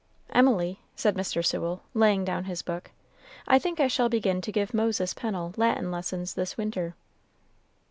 "Emily," said Mr. Sewell, laying down his book, "I think I shall begin to give Moses Pennel Latin lessons this winter."